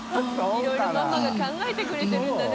いろいろママが考えてくれてるんだね。